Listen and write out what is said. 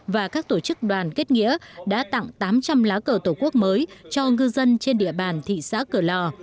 và các tổ chức đoàn kết nghĩa đã tặng tám trăm linh lá cờ tổ quốc mới cho ngư dân trên địa bàn thị xã cửa lò